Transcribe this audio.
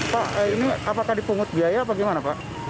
pak ini apakah dipungut biaya atau gimana pak